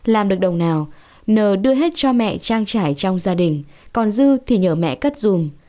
làm được đồng nào nờ đưa hết cho mẹ trang trải trong gia đình còn dư thì nhờ mẹ cất dùm